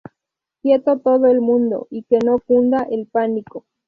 ¡Quieto todo el mundo y qué no cunda el pánico!